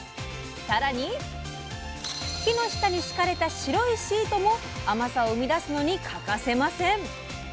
さらに木の下に敷かれた白いシートも甘さを生み出すのに欠かせません。